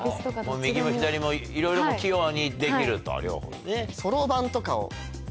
右も左もいろいろ器用にできると両方ね。